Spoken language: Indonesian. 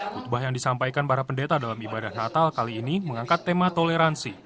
khutbah yang disampaikan para pendeta dalam ibadah natal kali ini mengangkat tema toleransi